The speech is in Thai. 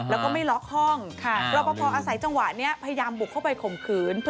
แล้วก็ไม่ล็อกห้องรอปภอาศัยจังหวะนี้พยายามบุกเข้าไปข่มขืน